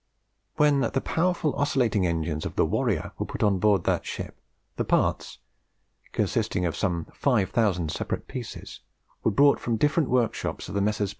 When the powerful oscillating engines of the 'Warrior' were put on board that ship, the parts, consisting of some five thousand separate pieces, were brought from the different workshops of the Messrs.